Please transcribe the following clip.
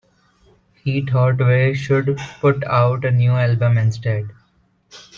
He thought we should put out a new album instead.